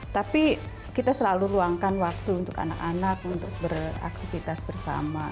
tapi kita selalu ruangkan waktu untuk anak anak untuk beraktivitas bersama